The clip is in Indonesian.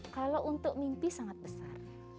kalau untuk mimpi sangat besar